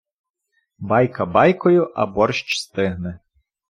Байка байкою, а борщ стигне.